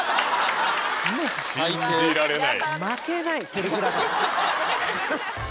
信じられない。